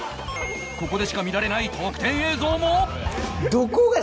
ここでしか見られない特典映像も！